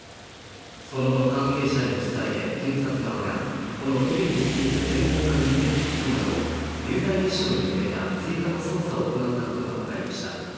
その後の関係者への取材で、検察側がこの衣料について専門家に意見を聞くなど、有罪立証に向けた追加の捜査を行ったことがわかりました。